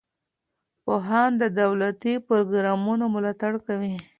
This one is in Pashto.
پوهان د دولتي پروګرامونو ملاتړ کوي.